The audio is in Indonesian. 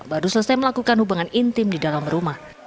baru selesai melakukan hubungan intim di dalam rumah